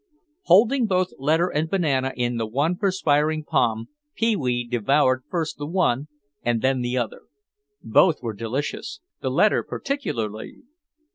Holding both letter and banana in the one perspiring palm, Pee wee devoured first the one and then the other. Both were delicious, the letter particularly.